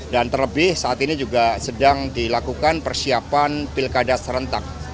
dan terlebih saat ini juga sedang dilakukan persiapan pilkada serentak